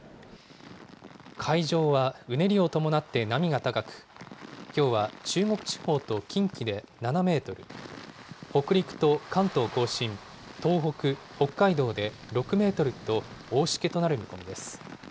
海上はうねりを伴って波が高く、きょうは中国地方と近畿で７メートル、北陸と関東甲信、東北、北海道で６メートルと大しけとなる見込みです。